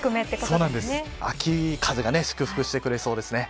秋風が祝福してくれそうです。